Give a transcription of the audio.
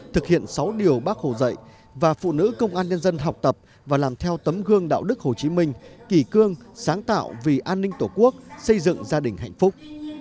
thực hiện sáu điều bác hồ dạy và phụ nữ công an nhân dân học tập và làm theo tấm gương đạo đức hồ chí minh kỳ cương sáng tạo vì an ninh tổ quốc xây dựng gia đình hạnh phúc